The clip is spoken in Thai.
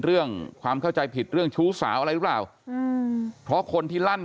เรื่องความเข้าใจผิดเรื่องชู้สาวอะไรรู้อ้าวเพราะคนที่รั้น